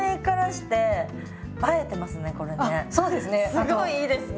すごいいいですね。